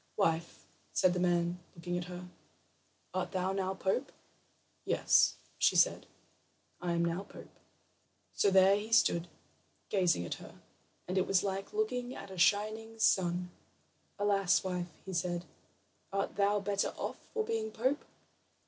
"Wife," said the man, looking at her, "art thou now pope?" "Yes," said she; "now I am pope." So there he stood gazing at her, and it was like looking at a shining sun. "Alas, wife," he said, "art thou better off for being pope?"